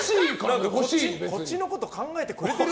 こっちのこと考えてくれてる？